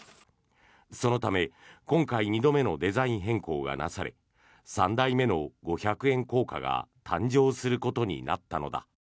そのため今回２度目のデザイン変更がなされ３代目の五百円硬貨が誕生することになったのだ。